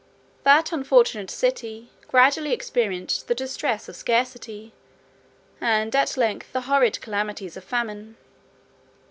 That unfortunate city gradually experienced the distress of scarcity, and at length the horrid calamities of famine.